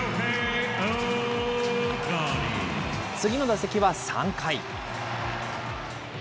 次の打席は３回。